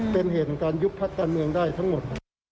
เป็นเหตุของการยุบพักการเมืองได้ทั้งหมด